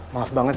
maaf banget ya